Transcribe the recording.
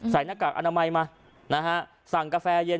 ใส่หน้ากากอนามัยมาสั่งกาแฟเย็น